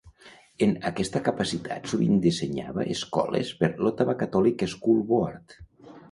En aquesta capacitat sovint dissenyava escoles per l'"Ottawa Catholic School Board".